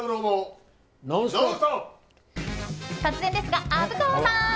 突然ですが、虻川さん。